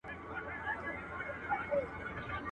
o ازمايښت پخوا کال په تلين و، اوس دم په گړي دئ.